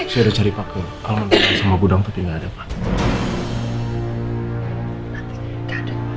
saya udah cari pak ke halaman belakang sama gudang tapi gak ada pak